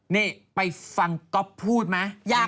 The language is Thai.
นี่ไปฟังก็พูดมา